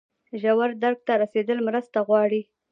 ژور درک ته رسیدل مرسته غواړي.